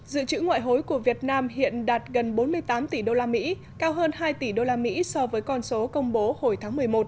dự trữ ngoại hối của việt nam hiện đạt gần bốn mươi tám tỷ usd cao hơn hai tỷ usd so với con số công bố hồi tháng một mươi một